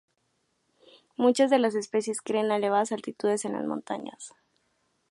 Muchas de las especies crecen a elevadas altitudes en las montañas.